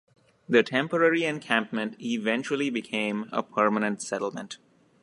The temporary encampment eventually became a permanent settlement.